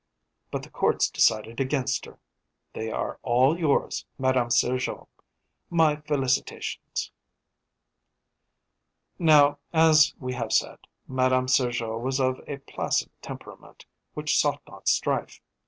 But the courts decided against her. They are all yours, Madame Sergeot. My felicitations!" Now, as we have said, Madame Sergeot was of a placid temperament which sought not strife.